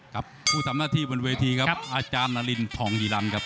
ครับผู้ทำหน้าที่บนเวทีครับอาจารย์นารินทองยีรันครับ